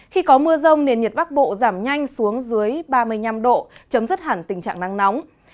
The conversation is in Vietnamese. khi có mưa rông nền nhiệt bắc bộ giảm nhanh xuống dưới ba mươi năm độ chấm dứt hẳn tình trạng nắng nóng